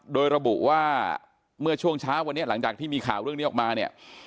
โดยระบุว่าเมื่อช่วงเช้าวันนี้หลังจากที่มีข่าวเรื่องนี้ออกมาเนี่ย